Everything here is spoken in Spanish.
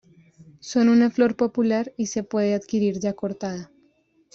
Son una flor popular y se puede adquirir ya cortada.